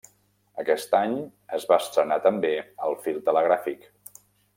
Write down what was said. Aquest any es va estrenar també el fil telegràfic.